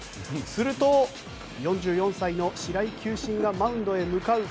すると、４４歳の白井球審がマウンドへ向かう。